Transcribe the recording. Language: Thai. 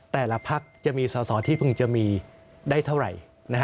แต่ละพักจะมีสอสอที่เพิ่งจะมีได้เท่าไหร่